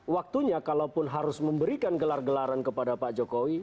waktunya kalaupun harus memberikan gelar gelaran kepada pak jokowi